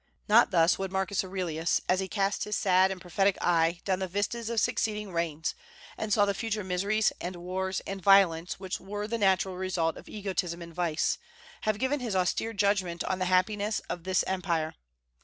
Not thus would Marcus Aurelius, as he cast his sad and prophetic eye down the vistas of succeeding reigns, and saw the future miseries and wars and violence which were the natural result of egotism and vice, have given his austere judgment on the happiness of his Empire.